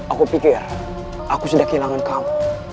aku pikir aku sudah kehilangan kamu